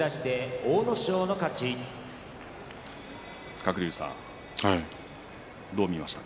鶴竜さん、どう見ましたか？